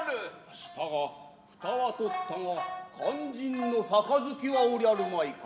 したが蓋は取ったが肝心の盃はおりゃるまいか。